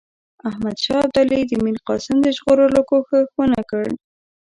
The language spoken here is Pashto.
احمدشاه ابدالي د میرقاسم د ژغورلو کوښښ ونه کړ.